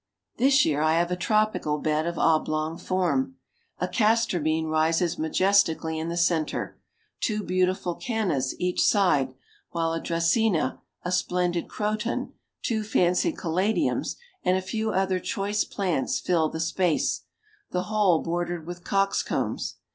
This year I have a tropical bed of oblong form. A Castor Bean rises majestically in the center, two beautiful Cannas each side, while a Dracæna, a splendid Croton, two fancy Caladiums, and a few other choice plants fill the space, the whole bordered with Coxcombs.